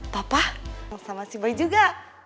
tapa sama si bayi juga